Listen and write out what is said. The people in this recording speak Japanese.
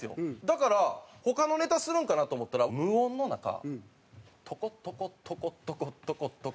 だから他のネタするんかなと思ったら無音の中トコトコトコトコトコトコトコトコトコ。